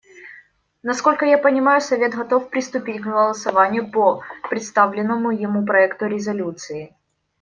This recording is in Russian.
Насколько я понимаю, Совет готов приступить к голосованию по представленному ему проекту резолюции.